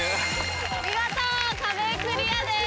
見事壁クリアです。